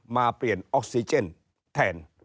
มาเปลี่ยนออกซิเจนแทน